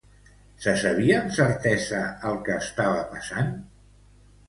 Se sabia amb certesa el que estava passant?